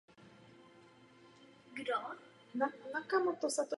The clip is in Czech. Tím ukončil sérii pěti individuálních vítězství za sebou.